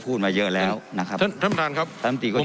พูดมาเยอะแล้วนะครับท่านประธานครับท่านอมติก็ชีวิต